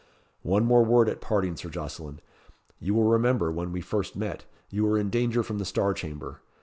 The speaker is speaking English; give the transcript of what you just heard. One more word at parting, Sir Jocelyn. You will remember, when we first met, you were in danger from the Star Chamber.